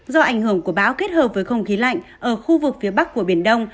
do ảnh hưởng của bão kết hợp với không khí lạnh ở khu vực phía bắc của biển đông